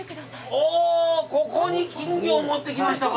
あぁ、ここに金魚を持ってきましたか！